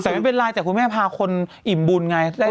แต่ไม่เป็นไรแต่คุณแม่พาคนอิ่มบุญไง